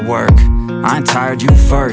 kyk begini lebar